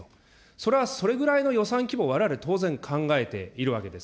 それはそれぐらいの予算規模、われわれ当然考えているわけです。